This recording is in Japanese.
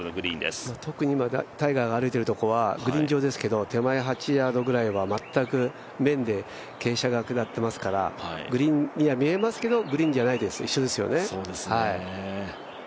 特にタイガーが歩いているところはグリーン上ですけど手前８ヤードぐらいは全く面で傾斜が下っていますからグリーンには見えますけれども、グリーンではないです、一緒ですね。